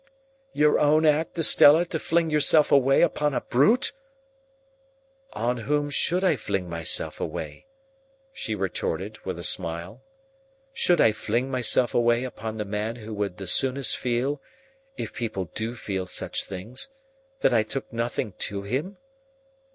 "Your own act, Estella, to fling yourself away upon a brute?" "On whom should I fling myself away?" she retorted, with a smile. "Should I fling myself away upon the man who would the soonest feel (if people do feel such things) that I took nothing to him?